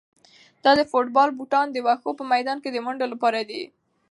دا د فوټبال بوټان د واښو په میدان کې د منډو لپاره دي.